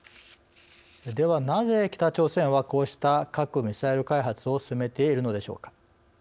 ではなぜ北朝鮮はこうした核・ミサイル開発を進めているのでしょうか。